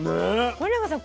是永さん